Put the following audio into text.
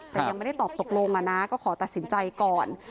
แต่ยังไม่ได้ตอบตกลงก็ขอตัดสินใจก่อน